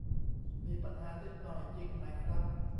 มีปัญหานิดหน่อย จริงไหมครับ